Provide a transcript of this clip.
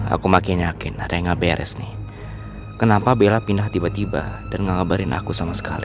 aku makin yakin ada yang gak beres nih kenapa bella pindah tiba tiba dan ngabarin aku sama sekali